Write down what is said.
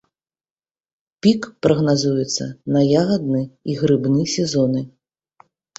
Пік прагназуецца на ягадны і грыбны сезоны.